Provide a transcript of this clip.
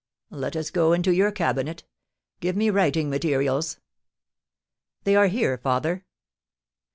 "Let us go into your cabinet; give me writing materials." "They are here, father."